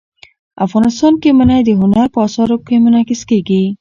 افغانستان کې منی د هنر په اثار کې منعکس کېږي.